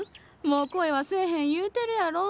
もう恋はせえへん言うてるやろ！